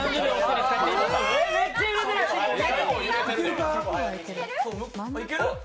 めっちゃ揺れてる！